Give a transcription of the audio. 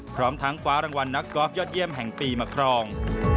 พร้อมทั้งคว้ารางวัลนักกอล์ฟยอดเยี่ยมแห่งปีมาครอง